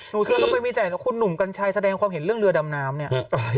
เชื่อต้องไปมีแต่คุณหนุ่มกัญชัยแสดงความเห็นเรื่องเรือดำน้ำเนี่ย